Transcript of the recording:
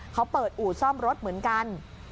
เขาเปิดอู่ซ่อมรถเหมือนกัน